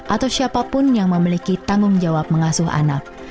atau siapapun yang memiliki tanggung jawab mengasuh anak